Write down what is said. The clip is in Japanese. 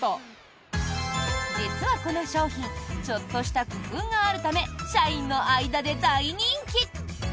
実はこの商品ちょっとした工夫があるため社員の間で大人気。